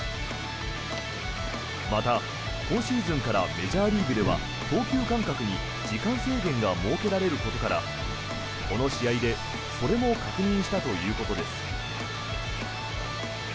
また、今シーズンからメジャーリーグでは投球間隔に時間制限が設けられることからこの試合でそれも確認したということです。